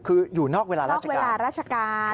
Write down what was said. คืออยู่นอกเวลาราชการนอกเวลาราชการ